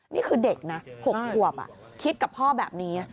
นี่คือเด็กนะ๖ขวบคิดกับพ่อแบบนี้